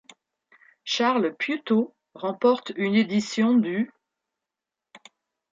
Charles Piutau remporte une édition du '.